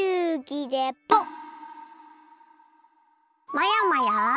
まやまや！